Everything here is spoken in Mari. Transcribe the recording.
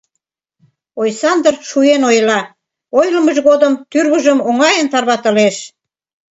Ойсандыр шуен ойла, ойлымыж годым тӱрвыжым оҥайын тарватылеш...